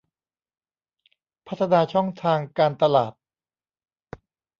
พัฒนาช่องทางการตลาด